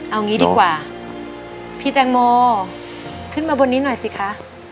เอางี้ดีกว่าพี่แตงโมขึ้นมาบนนี้หน่อยสิคะ